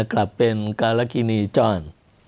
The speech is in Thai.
กลับเป็นกาลักษณีย์จ้อน